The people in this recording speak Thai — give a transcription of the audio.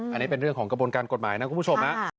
อันนี้เป็นเรื่องของกระบวนการกฎหมายนะคุณผู้ชม